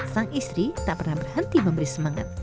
sang istri tak pernah berhenti memberi semangat